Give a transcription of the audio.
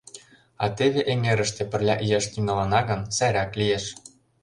А теве эҥерыште пырля ияш тӱҥалына гын, сайрак лиеш.